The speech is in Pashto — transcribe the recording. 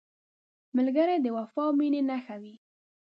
ملګری د وفا او مینې نښه وي